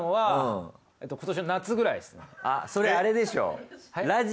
あっそれあれでしょ。